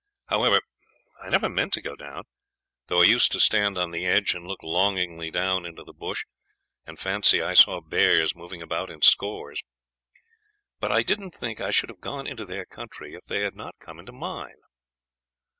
"However, I never meant to go down, though I used to stand on the edge and look longingly down into the bush and fancy I saw bears moving about in scores. But I don't think I should have gone into their country if they had not come into mine.